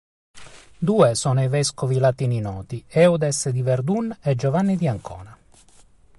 Due sono i vescovi latini noti: Eudes di Verdun e Giovanni di Ancona.